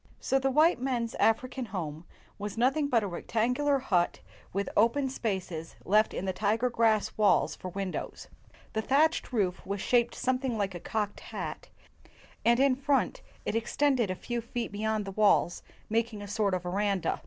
So the white men's African home was nothing but a rectangular hut with open 89 WHITE MAN OF WORK spaces left in the tiger grass walls for win dows. The thatched roof was shaped some thing like a cocked hat ; and in front, it ex tended a few feet beyond the walls, making a sort of veranda.